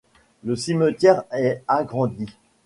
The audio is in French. Le cimetière est agrandi.